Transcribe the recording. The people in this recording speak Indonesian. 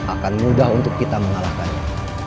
akan mudah untuk kita mengalahkannya